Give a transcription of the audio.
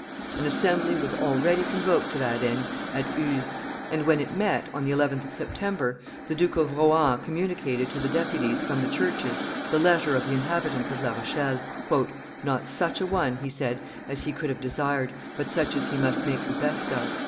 An assembly was already convoked to that end at Uzes; and when it met, on the 11th of September, the Duke of Rohan communicated to the deputies from the churches the letter of the inhabitants of La Rochelle, "not such an one," he said, "as he could have desired, but such as he must make the best of."